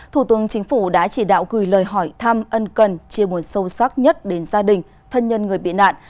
thủ tướng chính phủ đã chỉ đạo gửi lời hỏi thăm ân cần chia buồn sâu sắc nhất đến gia đình thân nhân người bị nạn